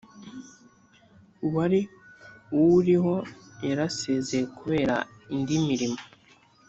uwari uwuriho yarasezeye kubera indi mirimo